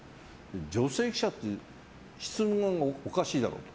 女性記者って質問がおかしいだろうと。